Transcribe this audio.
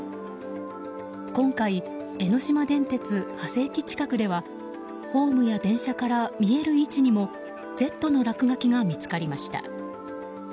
今回、江ノ島電鉄長谷駅近くではホームや電車から見える位置にも「Ｚ」の落書きが見つかりました。